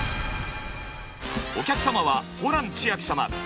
お客様はホラン千秋様。